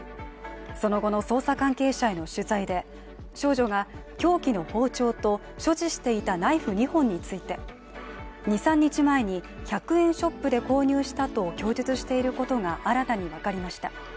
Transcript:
その後の捜査関係者への取材で、少女が凶器の包丁と、所持していたナイフ２本について２３日前に１００円ショップで購入したと供述していることが新たに分かりました。